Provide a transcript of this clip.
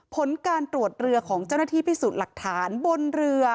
ผลการตรวจเรือของเจ้าหน้าที่พิสูจน์หลักฐานบนเรือ